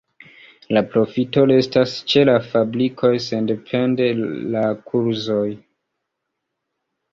La profito restas ĉe la fabrikoj sendepende de la kurzoj.